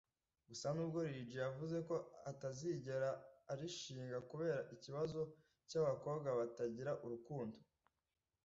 Gusa nubwo Lil G yavuze ko atazigera arushinga kubera ikibazo cy’abakobwa batangira urukundo